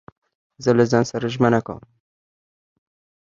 زه له ځان سره ژمنه کوم.